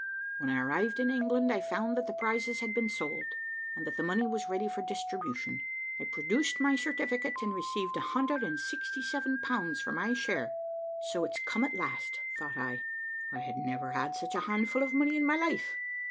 When I arrived in England, I found that the prizes had been sold, and that the money was ready for distribution. I produced my certificate, and received 167 pounds for my share. So it's come at last, thought I. "I had never had such a handful of money in my life.